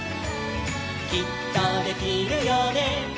「きっとできるよね」